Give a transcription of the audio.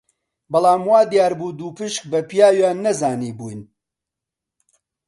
بەڵام وا دیار بوو دووپشک بە پیاویان نەزانیبووین